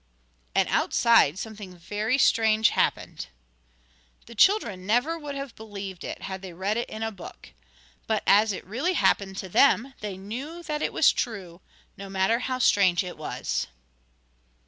And outside something very strange happened. The children never would have believed it had they read it in a book. But as it really happened to them they knew that it was true, no matter how strange it was.